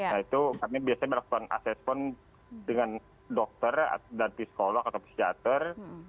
nah itu kami biasanya melakukan asesmen dengan dokter dan psikolog atau psikiater